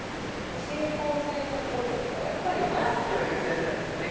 新婚生活どころかやっぱりバスケを優先するんですよね